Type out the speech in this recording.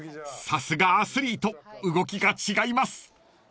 ［さすがアスリート動きが違います］